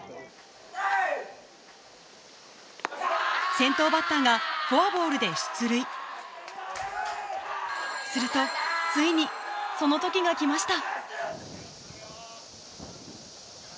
先頭バッターがフォアボールで出塁するとついに来ました！